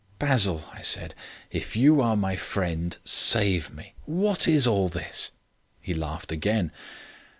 "Basil," I said, "if you are my friend, save me. What is all this?" He laughed again.